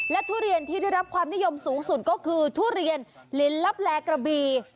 ทุเรียนที่ได้รับความนิยมสูงสุดก็คือทุเรียนลินลับแลกระบี